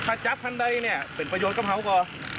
ถ้าจับคันใดเนี่ยเป็นประโยชนกะเพรากอ